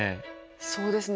そうですね。